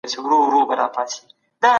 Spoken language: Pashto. حقوقپوهانو به سوداګریزي لاري خلاصولې.